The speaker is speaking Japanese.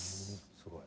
すごい。